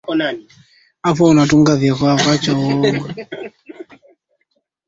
Kwa pamoja inaleta maana ya ladha ya Zanzibari